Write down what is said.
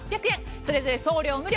それぞれ送料無料。